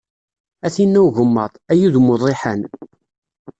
A tinn-a n ugemmaḍ, ay udem n uḍiḥan.